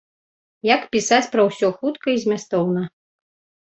Як пісаць пра ўсё хутка і змястоўна.